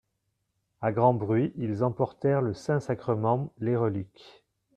À grand bruit, ils emportèrent le saint sacrement, les reliques.